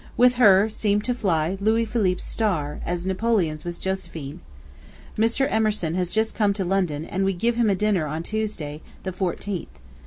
With her seemed to fly Louis Philippe's star, as Napoleon's with Josephine. ... Mr. Emerson has just come to London and we give him a dinner on Tuesday, the 14th.